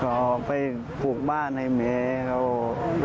ก็ไปปลูกบ้านให้แหม